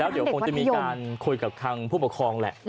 เดี๋ยวคงจะมีการคุยกับทางผู้ปกครองแหละ